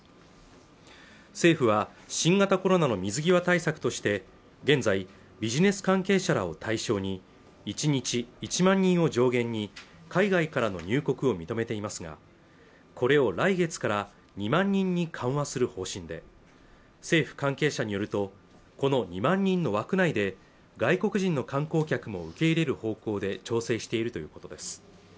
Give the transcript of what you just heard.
政府は新型コロナの水際対策として現在ビジネス関係者らを対象に１日１万人を上限に海外からの入国を認めていますがこれを来月から２万人に緩和する方針で政府関係者によるとこの２万人の枠内で外国人の観光客も受け入れる方向で調整しているということです